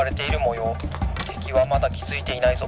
てきはまだきづいていないぞ。